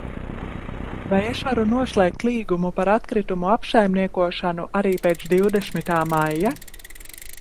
Vai es varu noslēgt līgumu par atkritumu apsaimniekošanu arī pēc divdesmitā maija?